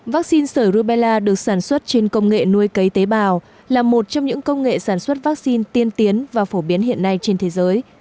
vaccine sởi rubella được sản xuất trên công nghệ nuôi cấy tế bào là một trong những công nghệ sản xuất vaccine tiên tiến và phổ biến hiện nay trên thế giới